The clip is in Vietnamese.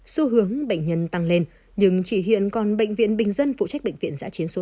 xu hướng bệnh nhân tăng lên nhưng chỉ hiện còn bệnh viện bình dân phụ trách bệnh viện giã chiến số năm